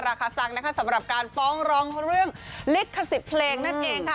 ราคาซังนะคะสำหรับการฟ้องร้องเรื่องลิขสิทธิ์เพลงนั่นเองค่ะ